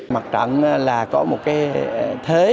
mặt trận là có một cái thế